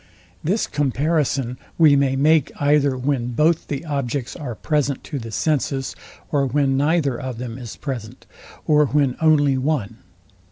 This comparison we may make, either when both the objects are present to the senses, or when neither of them is present, or when only one.